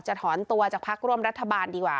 ถอนตัวจากพักร่วมรัฐบาลดีกว่า